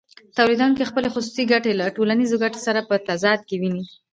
تولیدونکی خپلې خصوصي ګټې له ټولنیزو ګټو سره په تضاد کې ویني